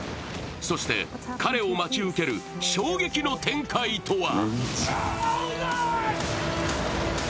そして、彼を待ち受ける衝撃の展開とは。